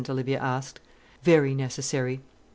Olivia asked. "Very necessary."